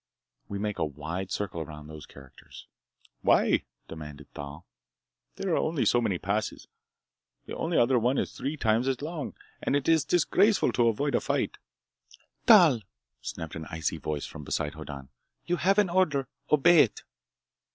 We make a wide circle around those characters!" "Why?" demanded Thal. "There are only so many passes. The only other one is three times as long. And it is disgraceful to avoid a fight—" "Thal!" snapped an icy voice from beside Hoddan, "you have an order! Obey it!"